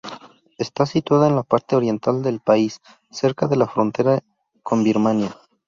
Está situada en la parte oriental del país, cerca de la frontera con Birmania.